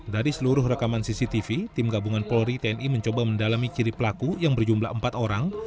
dari seluruh rekaman cctv tim gabungan polri tni mencoba mendalami ciri pelaku yang berjumlah empat orang